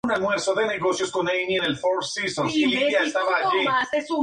La idea ha sido criticada por muchos opositores.